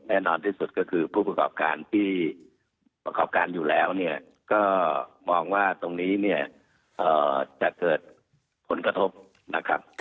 แน่นอนที่สุดก็คือผู้ประกอบการที่ประกอบการอยู่แล้วเนี่ยก็มองว่าตรงนี้เนี่ยจะเกิดผลกระทบนะครับ